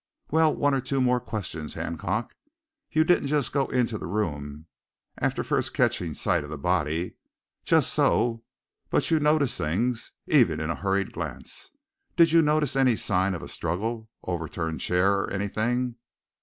"Well, one or two more questions, Hancock. You didn't go into the room after first catching sight of the body? Just so but you'd notice things, even in a hurried glance. Did you notice any sign of a struggle overturned chair or anything?"